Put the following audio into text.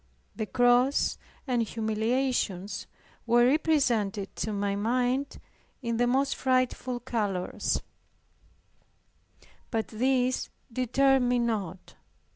The cross and humiliations were represented to my mind in the most frightful colors, but this deterred me not.